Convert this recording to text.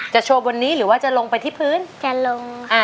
โชว์บนนี้หรือว่าจะลงไปที่พื้นแกลงอ่า